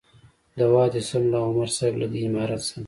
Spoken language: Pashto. دوه دې سه ملا عمر صاحب له دې امارت سره.